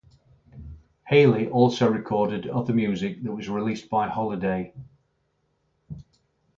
Haley also recorded other music that was released by Holiday.